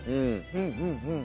うんうんうん。